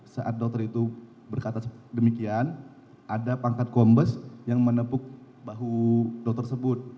saat dokter itu berkata demikian ada pangkat kombes yang menepuk bahu dokter sebut